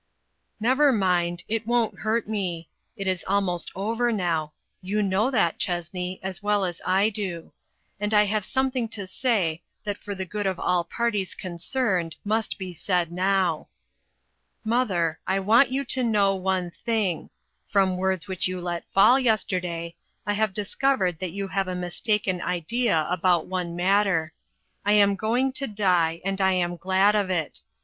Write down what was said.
"Never mind, it won't hurt me. It is almost over now ; you know that, Chessney, as well as I do. And I have something to say, that for the good of all parties con cerned, must be said now. Mother, I want you to know one thing : from words which you let fall yesterday, I have discovered that you have a mistaken idea about one matter. I am going to die, and I am glad of it.